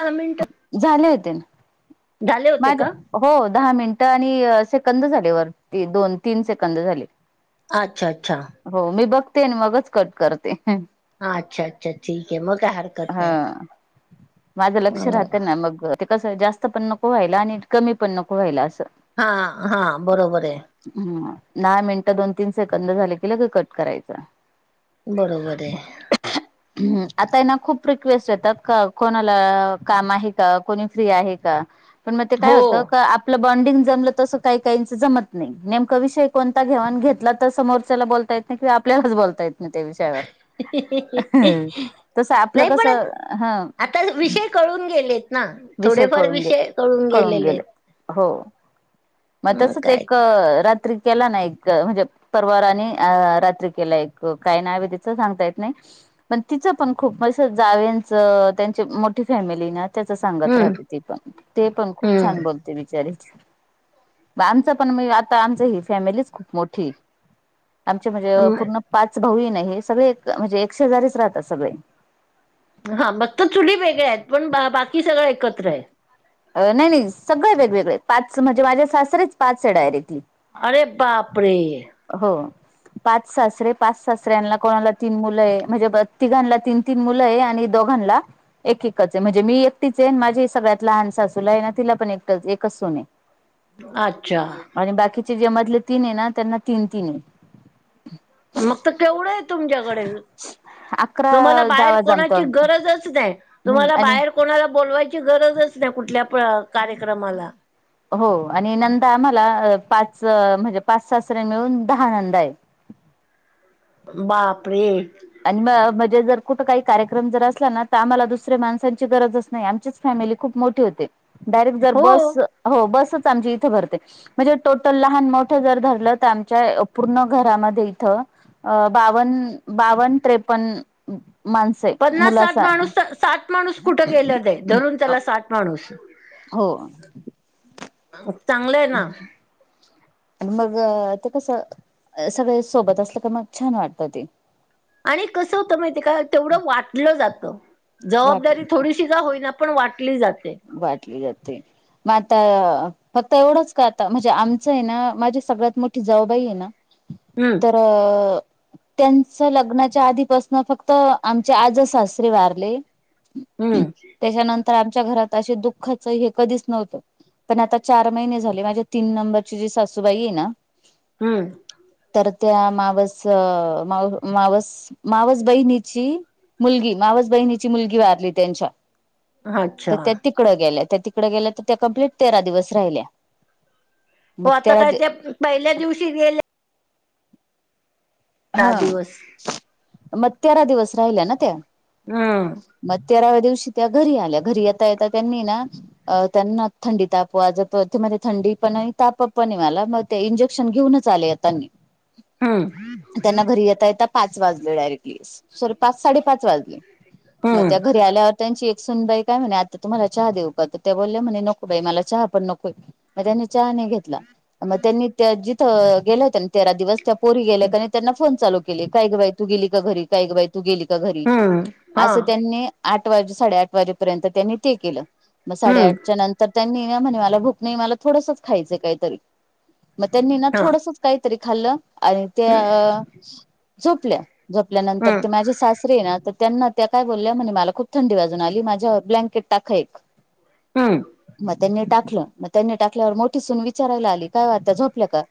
दहा मिनिट झाले होते ना. झाले होते का माझ- हो. दहा मिनटं आणि सेकंद झाले वर. दोन तीन सेकंद झाले. अच्छा. अच्छा. हो. मी बघते आणि मग च कट करते. हां. अच्छा अच्छा ठीक आहे. मग काही हार- हं. माझ लक्ष राहत ना मग- ते कसंए जास्त पण नको व्हायला. आणि कमी पण नको व्हायला असं. हा हा. बरोबर आहे. हम्म. दहा मिनिटं दोन तीन सेकंद झाले की लगे कट करायचा. बरोबर ए. हम्म. आता ए ना - खूप रिक्वेस्ट येतात. का कोणाला काम आहे का? कोणी फ्री आहे का? पण मग ते हो काय होतं. का आप - -पलं बॉण्डिंग जमलं तस काही काहींच जमत नाही. नेमका विषय कोणता घ्यावा आणि घेतला तर समोरच्याला बोलता येत- किंवा आपल्यालाच बोलता येत नाही. त्या विषयावर तस आ- नाही पण आता विषय कळून गेलेत. ना, विषय थोडेफार कळून गे विषय कळून गेलेलेएत. म तसच एक रात्री- केला ना एक म्हणजे परवा रानी. अ रात्री केला एक काय नाव तिच सांगता येत नाही. पण तिचं पण खूप अस जावेयाच त्यांची मोठी फॅमिली ए ना त - सांगत हम्म राहते ते पण. ती पण खूप छान हम्म बोलते बिचारी. बा आमच पण म आता. आमच ही फॅमिलीच खूप मोठी ए. आमचे म्हणजे पूर्ण पाच भाऊ ए ना हे, सगळे म्हणजे एक शेजारीच राहतात सगळे. हां. फक्त चुली वेगळ्यातहेत. पण बा बाकी सगळं एकत्र आहे. नाही नाही. सगळे वेगवेगळे ए. पाच म्हणजे माझे सासरेच पाच आहे डायरेक्टली. अरे बापरे! हो. पाच सासरे. पाच सासऱ्यांना कोणाला तीन मुलं आहे. म्हणजे बघ तिघांना तीन- तीन मुलं ए. आणि दोघांला एक एकच आहे. म्हणजे मी एकटीच आहे. माझे सगळ्यात लहान- सासूला ए ना तिला पण एकच, एकच सून आहे. अच्छा. आणि बाकीचे जे मधले तीन आहे ना? त्यांना तीन तीन ए. मग तर केवढं- तुमच्याकडे. तुम्हाला अकरा बाहेर जावा जमतो कोणाची आम्ही गरजच नाही. हम्म तुम्हाला आणि बाहेर- कोणाला बोलवायची गरजच नाही कुठल्या कार्यक्रमाला. हो. आणि नणदा आम्हाला पाच म्हणजे पाच सासरे मिळून दहा नणदा ए. बापरे! आणि मग म्हणजे जर कुठे काही कार्यक्रम जर असला ना? त आम्हाला दुसऱ्या माणसांची गरजच नाही. आमचीच- फॅमिली खूप मोठी होते. डायरेक्ट जर हो. बस हो बसच आमची इथं भरते. म्हणजे टोटल लहान मोठं जर धरलं तर आमच्या पूर्ण घरामध्ये इथं- अ बावन बावन त्रेपन्न माणस- पन्नास साठ माणूस तर, साठ माणूस कुठं गेलं ते? धरून चला साठ माणूस. हो. चांगलंय आहे ना. मग... ते कसं. सगळे सोबत असलं तर मग छान वाटतं ते. आणि कसं होतं माहिती आहे का? तेवढं वाटलं जातं वाट जबाबदारी थोडी थोडीशी का होईना पण वाटली जाते. वाटली जाते. मग आता फक्त एवढंच का आता? म्हणजे आमचं आहे ना माझी सगळ्यात मोठी जाऊबाई आहे ना हम्म. तरं... त्यांच लग्नाच्या आधीपासन फक्त आमचे आजे सासरे वारले. हम्म. त्याच्यानंतर आमच्या घरात अशे दुःखाच हे कधीच नव्हतं. पण आता चार महिने झाले, माझ्या तीन नंबरची जी सासूबाई आहे ना हम्म. तर त्या मावस, माव-मावस मावस बहीणीची मुलगी, मावस बहिणीची मुलगी वारली त्यांच्या. अच्छा तर त्या तिकड गेल्या, त्या तिकड गेल्या तर त्या कंप्लीट तेरा दिवस राहिल्या. हो मग आता तेरा काय, त्या पहिल्या दिवशी गेल्या दहा हा, दिवस. मग तेरा दिवस राहिल्या ना त्या. हम्म. मग तेराव्या दिवशी त्या घरी आल्या, घरी येता येता त्यांनी ना अं त्यांना थंडी, ताप वाजत होती. ते म्हणता थंडी पण आहे, ताप पण आहे मला मग त्या इंजेक्शन घेऊनच आल्या येतांनी. हम्म्म. त्यांना घरी येता येता पाच वाजले डायरेक्टली. साडे पाच-साडेपाच वाजले मग हम्म त्या घरी आल्यावर त्यांची एक सून बाई काय म्हणे, आत्या तुम्हाला चहा देऊ का? त्या बोलल्या म्हणे, नको बाई, मला चहा पण नको. मग त्यांनी चहा नाही घेतला, मग त्यांनी त्या जिथं गेले होत्या नं तेरा दिवस त्या पोरी गेल्या का नाही? त्यांना फोन चालू केले, काय ग बाई! तू गेली का घरी? काय ग बाई! तू गेली का घरी? हम्म असं हा. त्यांनी आठ वाजे साडे आठ वाजेपर्यंत त्यांनी ते केलं. मग साडे हम्म आठच्या नंतर त्यांनी म्हणे, मला भूक नाही, मला थोडसंच खायचं काहीतरी. मग त्यांनी ना हा थोडसच काहीतरी खाल्लं, आणि त्या झोपल्या, झोपल्यानंतर हम्म ते माझे सास तरी त्यांना त्या काय बोलल्या म्हणे, मला खूप थंडी वाजून आली, माझ्यावर ब्लँकेट टाका एक. उम्म. मग त्यांनी टाकलं, मग त्यांनी टाकल्यावर मोठी सून विचारायला आली, काय वो आत्या झोपल्या का?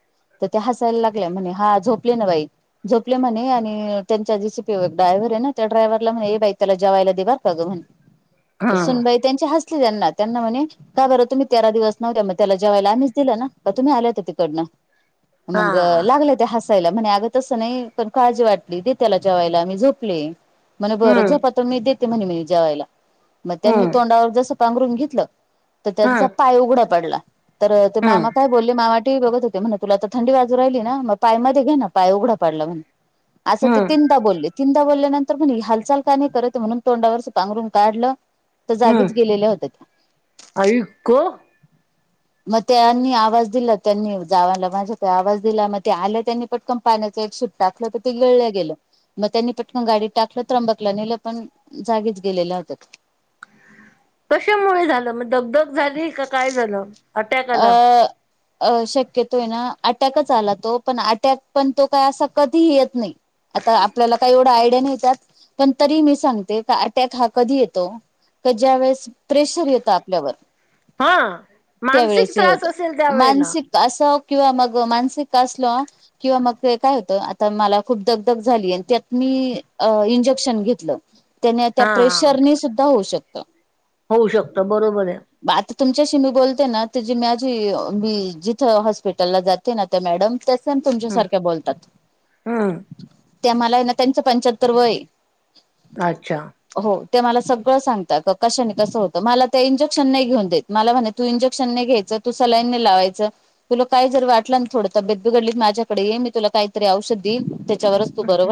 तर त्या हसायला लागल्या म्हणे, हा झोपले ना बाई! जोपले म्हणे आणि त्यांचा जीसीपीवर डायव्हर आहे ना त्या ड्रायव्हरला म्हणे, बाई, त्याला जेवायला दे ग. कघवण. हं.. त्यांचे हसले त्यांना, त्यांना म्हणे. काय बरं, तुम्ही तेरा दिवस नव्हत्या? मग त्याला जेयला आम्हीच दिलं ना, का तुम्ही आल्या होत्या तिकडनं? हा मग लागलं ते हसा म्हंणे अगं तसं नाहीं पणं काळजी वाटली दे त्यांला जेवांयला मी झोपले म्हंणे बरं हम्म झोपा तुम्हीं तरं मी देते म्हंणे म्हं जेवांयला मंग त्यांनी हम्म तोंडावरं जसं पांघरून घेतलं तरं त्यांचा हम्म पांय उघडां पडलां तरं ते हम्म मामा कायं बोलले मामा टिवी बघतं होते म्हंणे तुलां आंता थंडी वाजूं राहिली नां मगं पांय मध्यें घे नां पांय उघडां पडलां म्हंणे असं ते हम्म तीनंदा बोलले तीनंदा बोलल्यानंतर म्हंणे हं हालचांल कां नाहीं करतं म्हणूंन तोंडावरचं पांगरून काढलं तर हम्मं जागीच गेलेल्या होत्या त्या आई गं मंग त्यांनी आवांज दिला त्यांनी जावांला माझां कांहीं आवांज दिलां मंग ते आलं त्यांनी पटकंण पाण्याचं एक शिप टाकलं तरं ते गिळलं गेलं मंग त्यांनी पटंकन गांडीत टाकलं त्रंबकला नेलं पणं जागीच गेलेल्या होत्यां कशांमुळे झालं मंग दगंधगं झाली कां कायं झालं? अटॅक आला अं अं शक्यतोय नां अटॅकच आंला तो पणं अटॅक पणं तो कांहीं असां कधीं येतं नाहीं. आंता आपल्यांला कांहीं एवढां आयडिया नाहीं त्यांतं पणं तरी मी सांगते कां अटॅक हां कधी येतो कां ज्यां वेळेस प्रेशर येतो आपल्यांवर हां मानसिक त्रांस असेल त्यांवेेळेलां असां किंवा मंग मानसिक असलो किंवा मंग कायं होतं आंता मलां खूंप दंग दंग झाली आणि त्यांत मी इंजेक्शन घेतलं त्यांने त्यां हा प्रेशरने सुद्धां होऊं शकतं होऊं शकतं बरोबरे आंता तुमच्याशी मी बोलतं माझी मी जिथं हॉस्पिटललां जाते नां त्यां मॅडम तुमच्यां हम्म सांरख्या बोलतांत हम्म त्यां मलां नां त्यांचं पंचाहत्तर वयं अच्छा हो ते मलां सगळं सांगतात कशां कसं होतं मलां त्यां इंजेक्शन नाहीं घेऊन देतं मलां म्हंणे तूं इंजेक्शन नाहीं घ्यायचं तूं सलाईन नाहीं लावायचं तुलां कायं जरं वाटलं नां थोडं तबेत बिघडली तरं ये माझ्याकडे मी तुलां कांहींतरी औषध दिलं त्यांच्यावरचं तूं बरं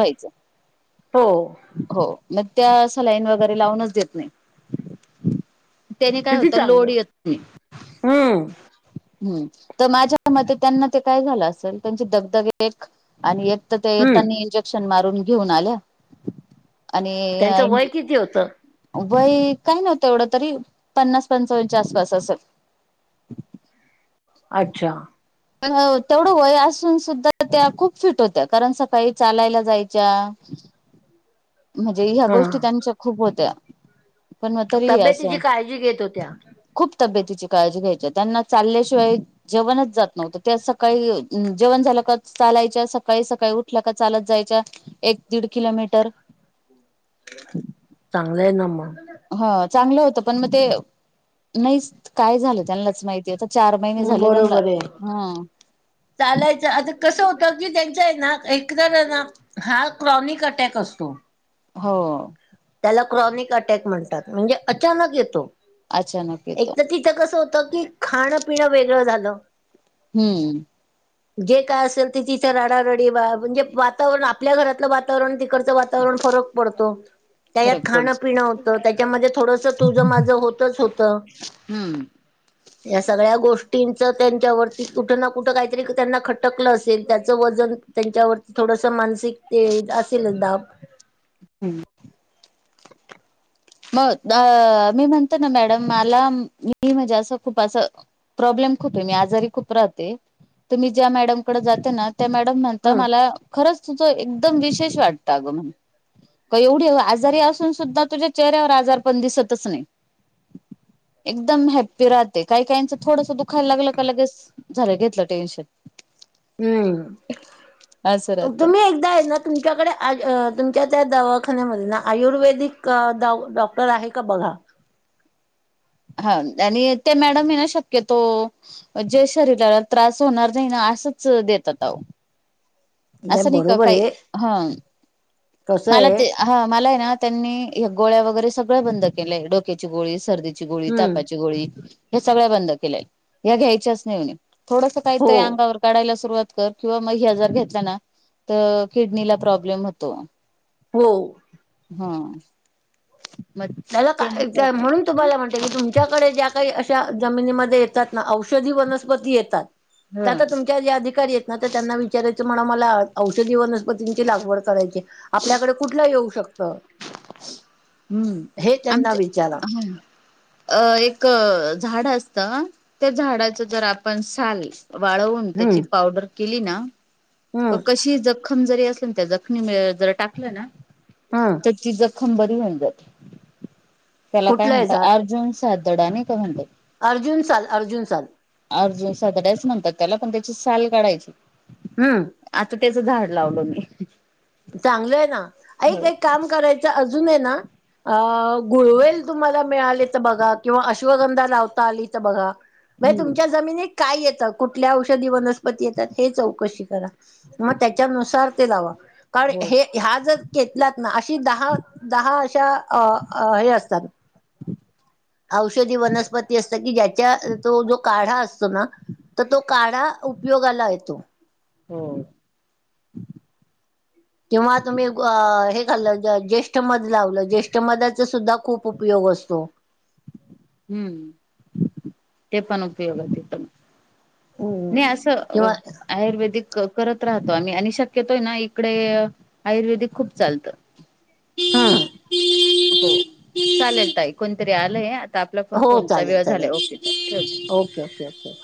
हो व्हायचं हो मंग त्यां सलाईन वगैरें लावूंनचं देतं नाहीं त्यांने कायं किती होतं लोडं चांगलं येतं नाहीं. हम्म हम्मं तरं माझ्यां मते त्यांना ते कायं झालं असेल त्यांची दंग दंग एक आणि एक तरं ते येतांना हम्म इंजेक्शन मांरून घेऊंन आंल्या आणि यां त्यांचं वय किती होतं वयं कांहीं नव्हतं एवढं तरी पन्नास पंचाव्नच्या आंसपास असंल अच्छा पणं तेवढं वयं असूंन सुद्धां त्यां खूंप फिटं होत्यां कारणं सकाळीं चालांयला जायंच्या म्हणजे ह्यां हा गोष्टी त्यांच्या खूंप होत्यां तब्येतीची काळजी घेतं होत्यां खूंप तब्यतीची काळजी घ्यायची त्यांना चालल्यांशिवाय जेवणंच जातं नव्हतं त्यां सकाळीं जेवणं झालं कां चालायंच्या सकाळीं सकाळीं उठल्यां की चालतं जायंच्या एक दीड किलोमीटर चांगलंय नां मगं, हं चांगलं होतं पणं मंग ते नाहींच, कायं झालं त्यांनां चं माहिती. त्यांचं चार महिने झाले त्यांना, बरोबर आहे. हम्मं. चालायचं, आंता कसं होतं की त्यांच्या ए नां, एकतरं ए नां.. हां क्रॉनिक अटॅक असतो. हो. त्याला क्रॉनिक अटॅक म्हणतात म्हणजे अचानक येतो, अचानक येतो एक तर ती तिथ कसं होत की, खाण पिणं वेगळं झालं हम्म. जे काय असेल, ते तिच रडारडी बा म्हणजे वातावरण आपल्या घरातलं वाता तरूण तिकडचं वातावरण फरक पडतो त्या यात फरक खाणं पडतो पिणं होतं, त्याच्यामध्ये थोडंस तुझं माझं होतच होतं. हम्म. या सगळ्या गोष्टींचं त्यांच्यावरती कुठं ना कुठं काहीतरी त्यांना खटकलं असेल, त्याचं वजन त्यांच्यावरती थोडस मानसिक ते असेलच दाब हम्म. बरं, मग अह मी म्हणतो ना मॅडम, मला, मी म्हणजे असं खूप असं प्रॉब्लेम खूप आहे, मी आजारी खूप राहते, तुम्ही ज्या मॅडमकडे जाताना त्या मॅडम म्हणत हम्म मला खरंच तुझं एकदम विशेष वाटतं अगं म्हणे का एवढी आजारी असून सुद्धा तुझ्या चेहऱ्यावर आजार पण दिसतच नाही. एकदम हॅप्पी राहते, काही काहीच थोडंस दुखायला लागलं का लगेच झालं घेतलं टेन्शन. असं हम्म, राहत तुम्ही एक दा आहे ना तुमच्याकडे, आज अह तुमच्या त्या दवाखान्यामध्ये ना आयुर्वेदिक अह डॉ डॉ क्टर आहे का बघा हा आणि ते मॅडम है ना शक्यतो जे शरीराला त्रास होणार नाही ना असंच देतात आहो असं नाही का बरोबर काही, आहे हम्म, कसं मला आहे ते हा, मला आहे ना त्यांनी हे गोळ्या वगैरे सगळं बंद केलंय, डोक्याची गोळी, सर्दी ची गोळी, हम्म तापाची गोळी, हे सगळ्या बंद केल्या, या घ्यायच्याच नाही म्हणे थोडस हो काहीतरी अंगावर काढाला सुरुवात कर किंवा म हे आजार घेत लना, तर किडनीला प्रॉब्लेम होतो. हो. हम्म. म त्यानं काय होत? हम्म. त्या की तुमच्याकडे ज्या काही अशा जमिनीमध्ये येतात ना, औषधी वनस्पती येतात त्या ह तर तुमच्या जे अधिकारी आहेत ना, त्यांना विचारायच म्हणाव मला औषधी वनस्पतींची लागवड करायचिय आपल्याकडे कुठल्या येऊ शकत? हम्म, त्यांना आमचं विचारा हम्म अह, एक झाड असतं, त्या झाडाच जर आपण साल वाळवून, हम्म त्याची पावडर केली ना का हम्म कशी जखम जरी असली ना, त्या जखमीवर जरी टाकली ना हम्म. तर ती जखम बरी होऊन जाते, त्याला काय कुठलंय म्हणत झाड अर्जुन सार्थाडा नाही का म्हणतात अर्जुन साल, अर्जुन साल अर्जुन सार्थाडा म्हणतात त्याला पण त्याची साल काढायची हम्म. आता त्याचं झाड लावल मी चांगलं आहे ना. एक हो एक काम करायचं अजून आहे ना अह गुळवेल तुम्हाला मिळाली तर बघा किंवा अश्वगंधा लावता आली तर बघा. [inaudible] बरे हम्म तुमच्या जमिनीत काय येतं कुठल्या औषधी वनस्पती येतात. हे चौकशी करा. [inaudible] त्याच्यानुसार ते [inaudible] कारण हो हे ह्या जर केेतलात ना अशी दहा, दहा अशा हे असतात. औषधी वनस्पती असत की ज्याच्या तो जो काढा असतो ना. तर तो काढा उपयोगाला येतो. हो. किंवा तुम्ही हे. [inaudible] ज्येष्ठ मध ज्येष्ठ मधचा सुद्धा खूप उपयोग [inaudible] हम्म. [inaudible] उपयोग ते पण नाही हम्म असं. किंवा आयुर्वेदिक करत राहतो आम्ही आणि शक्यतोय ना इकडे. आयुर्वेदिक खूप चालतं. हम्म हो चालेल [inaudible] कोणतरी [inaudible] हो फोनचा चालेल वेळ झाला. चालेल ओके ठे [unintelligible] [inaudible] ओके के ओके